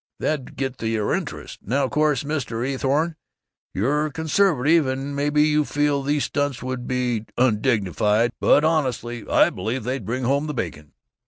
That'd get their interest! Now, course, Mr. Eathorne, you're conservative, and maybe you feel these stunts would be undignified, but honestly, I believe they'd bring home the bacon."